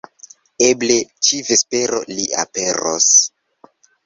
Eble ĉi-vespero li aperos